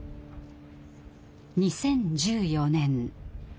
２０１４年。